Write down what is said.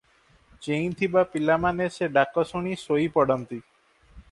ଚେଇଁଥିବା ପିଲା ମାନେ ସେ ଡାକଶୁଣି ଶୋଇପଡ଼ନ୍ତି ।